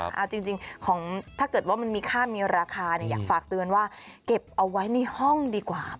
เอาจริงของถ้าเกิดว่ามันมีค่ามีราคาเนี่ยอยากฝากเตือนว่าเก็บเอาไว้ในห้องดีกว่า